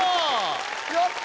やった！